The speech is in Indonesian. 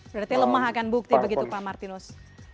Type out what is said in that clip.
berarti lemah akan bukti begitu pak martinus